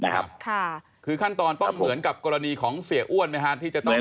ครับค่ะคือขั้นตอนต้องเหมือนกับกรณีของเสียอ้วนไหมฮะที่จะต้อง